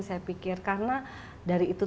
saya pikir karena dari itu